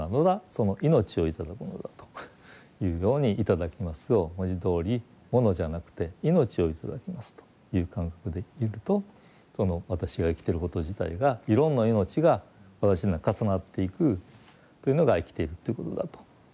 その命を頂くのだというように「いただきます」を文字どおりものじゃなくて命を頂きますという感覚でいるとその私が生きてること自体がいろんな命が私の中重なっていくというのが生きているということだと。